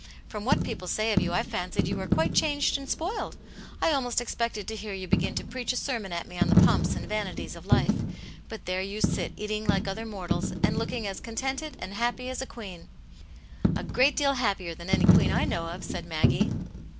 " From what people say of you I fancied you were quite changed and spoiled. I almost expected to hear you begin to preach a sermon at me on the pomps and vanities of life. But thet^ "^om €\^. ^^^^Cvw^X^^ 174 Aunt Janets Hero, other mortals, and looking as contented and happy as a queen/' " A great deal happier than any queen I know of/' said Maggie.